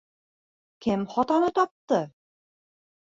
Кем хатаны тапты?